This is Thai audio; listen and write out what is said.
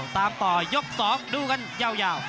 ตามต่อยก๒ดูกันยาว